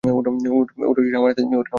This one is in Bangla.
ওটা আমার হাতে দিন, বুঝেছেন?